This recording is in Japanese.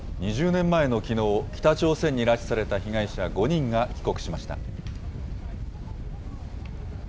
２０年前のきのう、北朝鮮に拉致された被害者５人が帰国しました。